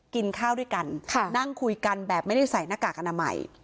กินข้าวด้วยกันนั่งคุยกันแบบไม่ได้ใส่หน้ากากอนามัย